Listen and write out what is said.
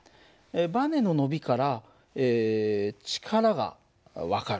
ばねの伸びから力が分かる。